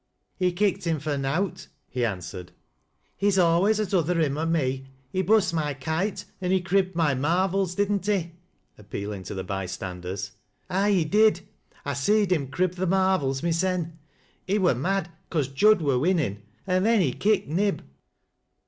" He kicked him fur nowt," he answered. " He's allui at uther him or me. He bust my kite, an' he cribbed mj marvels, didn't he ?" appealing to the bystanders. "Aye, he did. I seed him crib th' marvels myseu He wur mad 'cos Jud wur winnen, and then he kickei Nib."